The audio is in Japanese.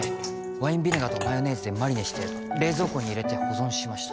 ワインビネガーとマヨネーズでマリネして冷蔵庫に入れて保存しました